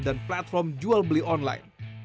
dan platform jual beli online